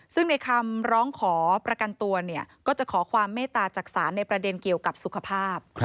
ซึ่งในคำร้องขอประกันตัวก็จะขอความเมตตาจากศาลในประเด็นเกี่ยวกับสุขภาพ